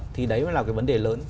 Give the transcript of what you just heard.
thì đấy mới là vấn đề lớn